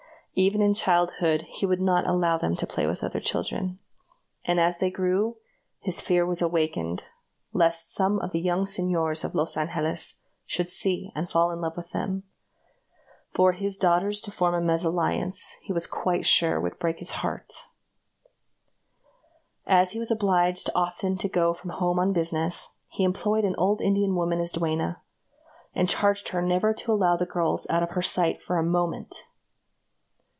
Even in childhood, he would not allow them to play with other children; and as they grew older, his fear was awakened lest some of the young señors of Los Angeles should see and fall in love with them. For his daughters to form a mèsalliance, he was quite sure would break his heart. As he was obliged often to go from home on business, he employed an old Indian woman as duenna, and charged her never to allow the girls out of her sight for a moment.